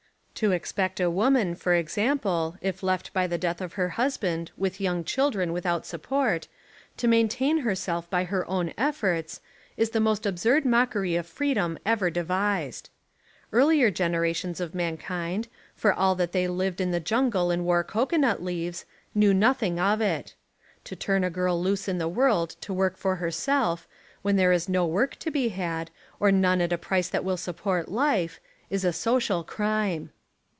To expect a woman, for example, if left by the death of her husband with young children without support, to main tain herself by her own efforts, is the most ab surd mockery of freedom ever devised. Ear lier generations of mankind, for all that they lived in the jungle and wore cocoanut leaves, knew nothing of it. To turn a girl loose in the world to work for herself, when there is no work to be had, or none at a price that will support life, is a social crime.